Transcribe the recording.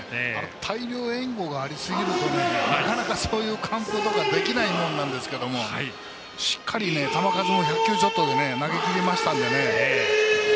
大量援護がありすぎるとなかなか、そういう完封とかできないものなんですけどしっかり、球数も１００球ちょっとで投げきったので。